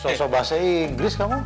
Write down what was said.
sosok bahasa inggris kamu